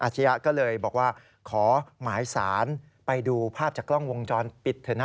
ชิยะก็เลยบอกว่าขอหมายสารไปดูภาพจากกล้องวงจรปิดเถอะนะ